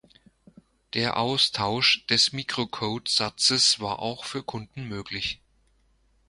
Der Austausch des Mikrocode-Satzes war auch für Kunden möglich.